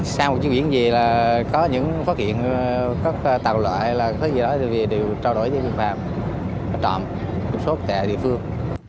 sau một chuyến biển gì là có những phát hiện các tàu loại hay là có gì đó thì đều trao đổi với biên phòng trọng số tệ địa phương